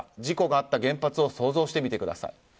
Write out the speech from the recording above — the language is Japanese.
事故があった原発を想像してみてください。